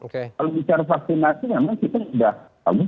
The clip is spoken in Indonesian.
kalau bicara vaksinasi memang kita sudah bagus